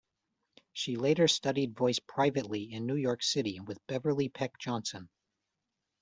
She later studied voice privately in New York City with Beverley Peck Johnson.